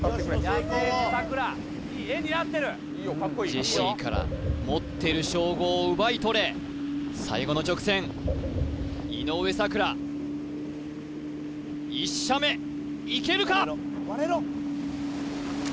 ジェシーから持ってる称号を奪い取れ最後の直線井上咲楽１射目いけるか！？